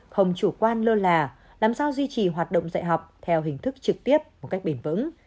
không chủ quan lơ là làm sao duy trì hoạt động dạy học theo hình thức trực tiếp một cách bền vững